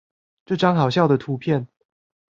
這張好笑的圖片